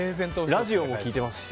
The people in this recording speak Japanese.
ラジオも聴いてますし。